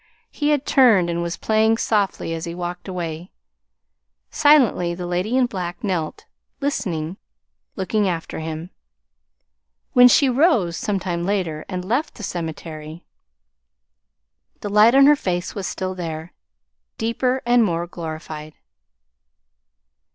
He had turned and was playing softly as he walked away. Silently the Lady in Black knelt, listening, looking after him. When she rose some time later and left the cemetery, the light on her face was still there, deeper, more glorified.